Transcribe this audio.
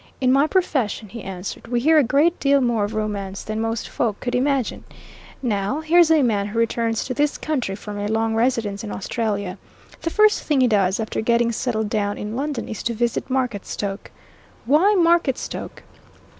"In my profession," he answered, "we hear a great deal more of romance than most folk could imagine. Now, here's a man who returns to this country from a long residence in Australia. The first thing he does, after getting settled down in London, is to visit Marketstoke. Why Marketstoke?